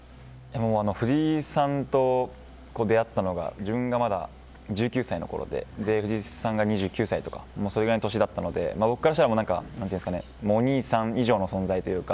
藤井さんと出会ったのが自分がまだ１９歳のころで藤井さんが２９歳とかそのぐらいだったので僕からしたらお兄さん以上の存在というか